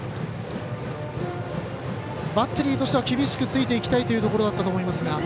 バッテリーとしては厳しくついていきたいというところだったと思いますが。